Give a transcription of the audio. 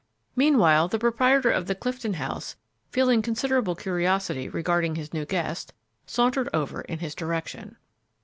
Meanwhile, the proprietor of the Clifton House, feeling considerable curiosity regarding his new guest, sauntered over in his direction.